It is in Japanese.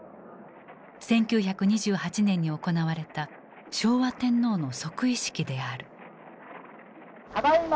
１９２８年に行われた昭和天皇の即位式である。